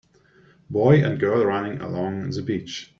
Boy and girl running along the beach.